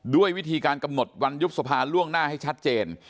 ด้วยวิธีการกำหนดวันยุบสภาล่วงหน้าให้ชัดเจน